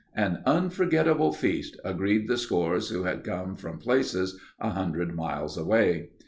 "An unforgettable feast," agreed the scores who had come from places 100 miles away.